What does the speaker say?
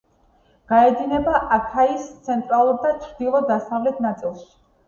გაედინება აქაიის ცენტრალურ და ჩრდილო-დასავლეთ ნაწილში.